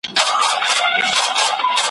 د دنیا هستي لولۍ بولی یارانو ,